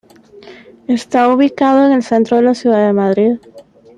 Está ubicado en el centro de la ciudad de Madrid.